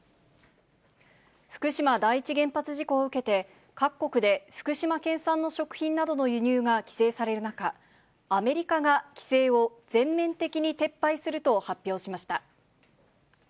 福島第一原発事故を受けて、各国で福島県産の食品などの輸入が規制される中、アメリカが規制を全面的に撤廃すると発表しました。